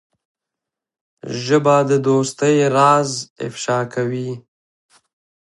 ژبه د دوستۍ راز افشا کوي